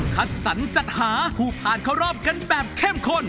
คัดสรรจัดหาผู้ผ่านเข้ารอบกันแบบเข้มข้น